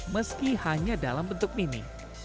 meski hanya dalam bentuk mini